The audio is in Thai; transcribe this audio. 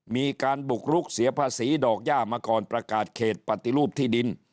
มีการบุกรุกเสียภาษีดอกย่ามาก่อนประกาศเขตปฏิรูปที่ดิน